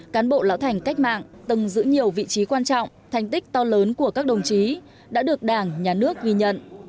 cán bộ lão thành cách mạng từng giữ nhiều vị trí quan trọng thành tích to lớn của các đồng chí đã được đảng nhà nước ghi nhận